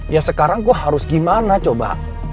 ya sekarang gue harus gimana coba